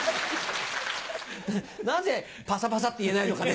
なぜパサパサって言えないのかね？